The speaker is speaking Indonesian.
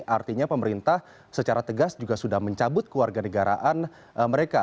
artinya pemerintah secara tegas juga sudah mencabut keluarga negaraan mereka